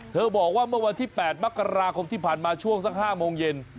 บอกว่าเมื่อวันที่๘มกราคมที่ผ่านมาช่วงสัก๕โมงเย็น